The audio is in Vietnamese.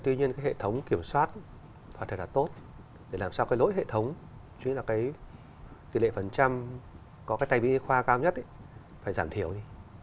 tuy nhiên cái hệ thống kiểm soát hoặc là tốt để làm sao cái lỗi hệ thống chứ là cái tỷ lệ phần trăm có cái tay bị y tế khoa cao nhất phải giảm thiểu đi